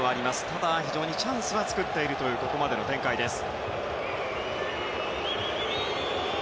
ただチャンスは作っているここまでの展開です。